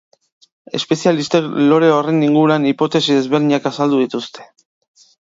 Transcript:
Espezialistek lore horren inguruan hipotesi desberdinak azaldu dituzte.